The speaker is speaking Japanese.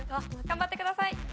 頑張ってください。